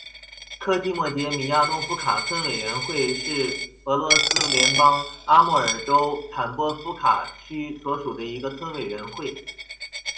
科济莫杰米亚诺夫卡村委员会是俄罗斯联邦阿穆尔州坦波夫卡区所属的一个村委员会。